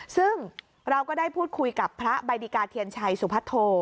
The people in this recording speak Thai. ซึ่งเราก็ได้พูดคุยกับพระใบดิกาเทียนชัยสุพัทโธ